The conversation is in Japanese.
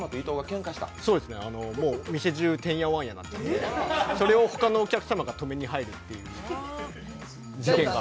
もう店中、てんやわんやになって、それを他のお客様が止めに入るっていう事件が。